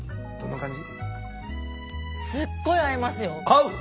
合う？